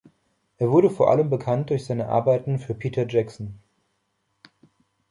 Er wurde vor allem bekannt durch seine Arbeiten für Peter Jackson.